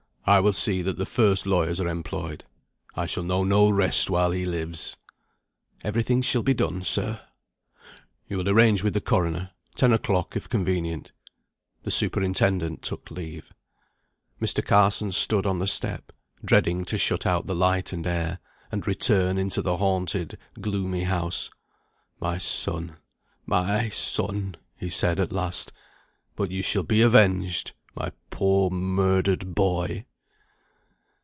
I will see that the first lawyers are employed. I shall know no rest while he lives." "Every thing shall be done, sir." "You will arrange with the coroner. Ten o'clock, if convenient." The superintendent took leave. Mr. Carson stood on the step, dreading to shut out the light and air, and return into the haunted, gloomy house. "My son! my son!" he said, at last. "But you shall be avenged, my poor murdered boy."